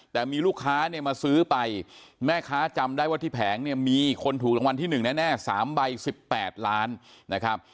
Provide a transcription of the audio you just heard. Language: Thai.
แต่มีลูกค้าเนี่ยมาซื้อไปแม่ค้าจำได้ว่าที่แผงเนี่ยมีคนถูกรางวัลที่๑แน่๓ใบ๑๘ล้านนะครับ